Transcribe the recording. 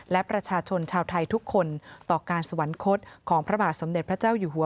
และประชาชนชาวไทยทุกคนต่อการสวรรคตของพระบาทสมเด็จพระเจ้าอยู่หัว